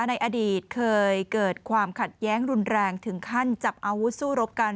ในอดีตเคยเกิดความขัดแย้งรุนแรงถึงขั้นจับอาวุธสู้รบกัน